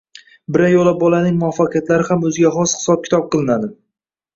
biryo‘la bolaning muvaffaqiyatlari ham o‘ziga xos hisob-kitob qilinadi.